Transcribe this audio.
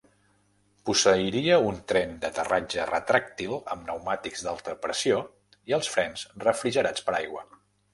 Posseiria un tren d'aterratge retràctil amb pneumàtics d'alta pressió i els frens refrigerats per aigua.